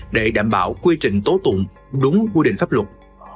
để đảm bảo quy trình tố tụng đúng quy định pháp luật